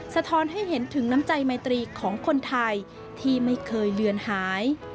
สะท้อนให้เห็นถึงน้ำใจไมตรีของคนไทยที่ไม่เคยเลือนหาย